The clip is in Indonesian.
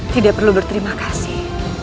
tidak perlu berterima kasih